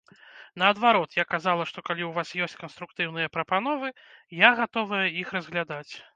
Наадварот, я казала, што калі ў вас ёсць канструктыўныя прапановы, я гатовая іх разглядаць.